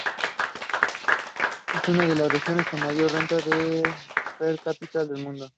Es una de las regiones con mayor renta per cápita del mundo.